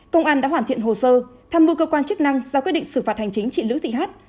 công an đã hoàn thiện hồ sơ thăm mưu cơ quan chức năng giao quyết định xử phạt hành chính chị lữ thị hát